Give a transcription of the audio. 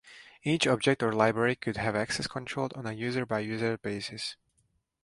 Each object or library could have access controlled on a user-by-user basis.